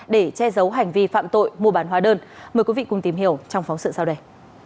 để che giấu hành vi phạm tội mua bán hóa đơn mời quý vị cùng tìm hiểu trong phóng sự sau đây